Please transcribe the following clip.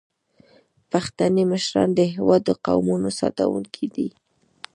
پښتني مشران د هیواد د قومونو ساتونکي دي.